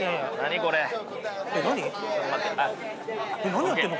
何やってんの？